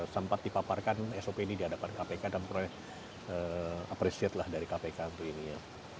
sempat dipaparkan sop ini di hadapan kpk dan peroleh appreciate lah dari kpk untuk ini ya